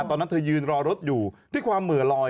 ตอนนั้นเธอยืนรอรถอยู่ด้วยความเหมือลอย